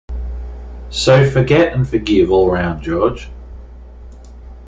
So forget and forgive all round, George.